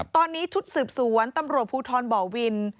ตอนนี้ชุดสืบสวนตำรวจภูทรบ่อวิน